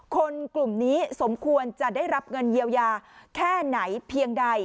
กลุ่มนี้สมควรจะได้รับเงินเยียวยาแค่ไหนเพียงใด